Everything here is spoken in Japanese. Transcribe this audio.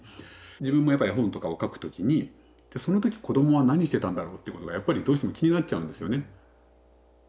自分もやっぱ絵本とかをかく時に「その時子どもは何してたんだろう？」っていうことがやっぱりどうしても気になっちゃうんですよね。